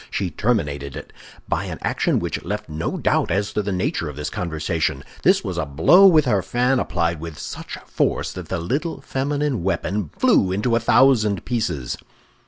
She terminated it by an action which left no doubt as to the nature of this conversation; this was a blow with her fan, applied with such force that the little feminine weapon flew into a thousand pieces.